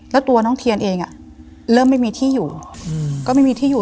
แล้วตัวน้องเทียนเองเริ่มไม่มีที่อยู่ก็ไม่มีที่อยู่